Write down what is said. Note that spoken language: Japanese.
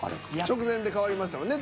直前で変わりましたもんね。